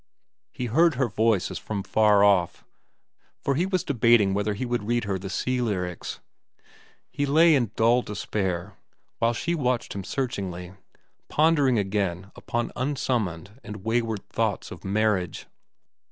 He heard her voice as from far off, for he was debating whether he would read her the "Sea Lyrics." He lay in dull despair, while she watched him searchingly, pondering again upon unsummoned and wayward thoughts of marriage.